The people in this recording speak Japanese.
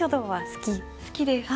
好きです。